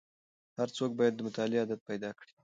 هر څوک باید د مطالعې عادت پیدا کړي.